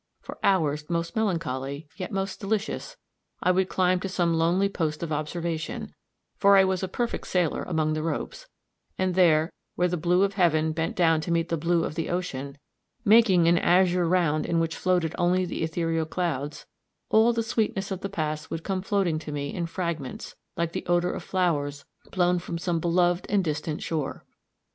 For hours most melancholy, yet most delicious, I would climb to some lonely post of observation for I was a perfect sailor among the ropes and there, where the blue of heaven bent down to meet the blue of the ocean, making an azure round in which floated only the ethereal clouds, all the sweetness of the past would come floating to me in fragments, like the odor of flowers blown from some beloved and distant shore.